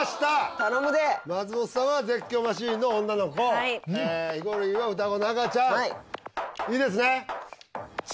頼むで松本さんは絶叫マシンの女の子はいヒコロヒーは双子の赤ちゃんいいですね？